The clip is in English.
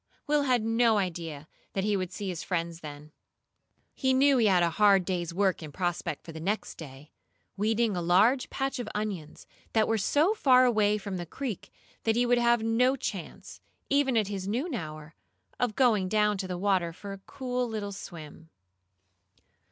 Will had no idea that he would see his friends then. He knew he had a hard day's work in prospect for the next day weeding a large patch of onions that were so far away from the creek that he would have no chance, even at his noon hour, of going down to the water for a cool little swim.